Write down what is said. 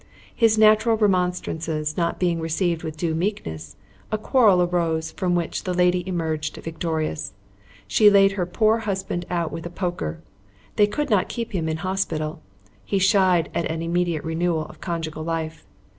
His natural remonstrances not being received with due meekness, a quarrel arose from which the lady emerged victorious. She laid her poor husband out with a poker. They could not keep him in hospital. He shied at an immediate renewal of conjugal life.